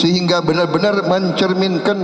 sehingga benar benar mencerminkan